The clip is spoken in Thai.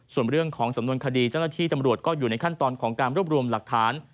ส่วนเรื่องของสำนวนคดีเจ้าหน้าที่ตำรวจก็อยู่ในขั้นตอนของการรวบรวมหลักฐาน